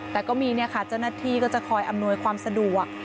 แต่ง็มีเจ้าหน้าที่จะคอยอำนวยความสะดวก